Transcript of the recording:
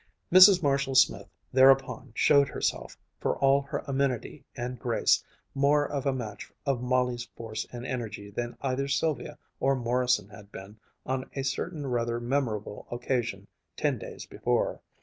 Mrs. Marshall Smith thereupon showed herself, for all her amenity and grace, more of a match of Molly's force and energy than either Sylvia or Morrison had been on a certain rather memorable occasion ten days before.